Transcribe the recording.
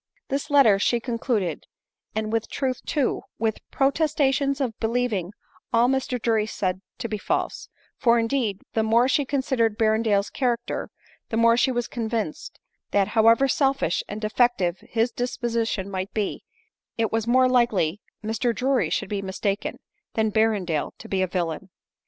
This letter she concluded, and with truth too, with protestations of believing all Mr Drury said to be false ; for, indeed, the more she consid ered Berrendale's character, the more she was convinced, that however selfish and defective his disposition might be, it was more likely Mr Drury should be mistaken, than Berrendale be a villain.